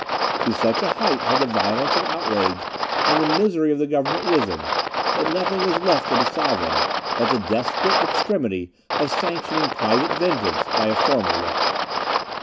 To such a height had the violence of outrage and the misery of the government risen, that nothing was left to the sovereign, but the desperate extremity of sanctioning private vengeance by a formal law.